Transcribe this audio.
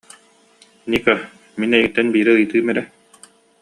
Ника, мин эйигиттэн биири ыйытыым эрэ